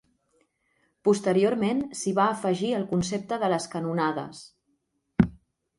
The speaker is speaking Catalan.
Posteriorment s'hi va afegir el concepte de les canonades.